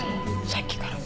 さっきから。